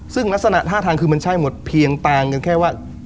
ซึ่งลักษณะท่าทางคือมันใช่หมดเพียงต่างกันแค่ว่า